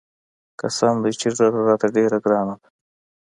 قسم دى چې ږيره راته ډېره ګرانه ده.